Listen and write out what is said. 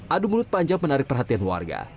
adu mulut panjang menarik perhatian warga